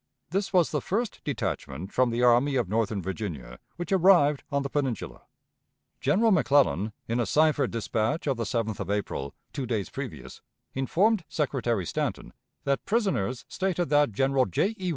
This was the first detachment from the Army of Northern Virginia which arrived on the Peninsula. General McClellan, in a cipher dispatch of the 7th of April, two days previous, informed Secretary Stanton that prisoners stated that General J. E.